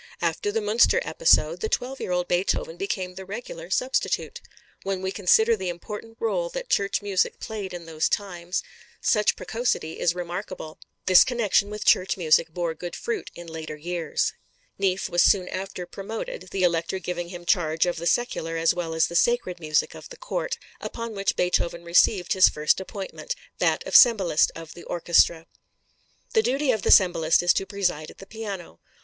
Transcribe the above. After the Münster episode, the twelve year old Beethoven became the regular substitute. When we consider the important rôle that church music played in those times, such precocity is remarkable. This connection with church music bore good fruit in later years. Neefe was soon after promoted, the Elector giving him charge of the secular as well as the sacred music of the Court, upon which Beethoven received his first appointment, that of cembalist of the orchestra. The duty of the cembalist is to preside at the piano.